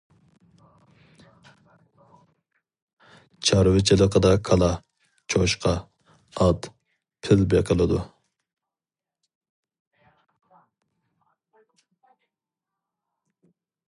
چارۋىچىلىقىدا كالا، چوشقا، ئات، پىل بېقىلىدۇ.